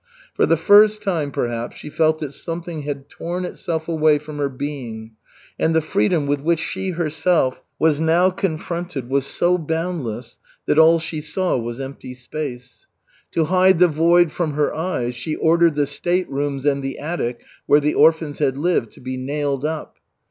For the first time, perhaps, she felt that something had torn itself away from her being, and the freedom with which she herself was now confronted was so boundless that all she saw was empty space. To hide the void from her eyes, she ordered the state rooms and the attic where the orphans had lived to be nailed up.